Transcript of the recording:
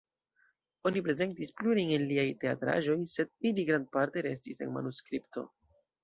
Oni prezentis plurajn el liaj teatraĵoj, sed ili grandparte restis en manuskripto.